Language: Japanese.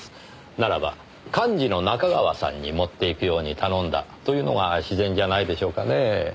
ならば「幹事の仲川さんに持っていくように頼んだ」というのが自然じゃないでしょうかねぇ。